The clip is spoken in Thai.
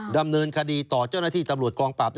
ดำเนินคดีต่อเจ้าหน้าที่ตำรวจกองปราบ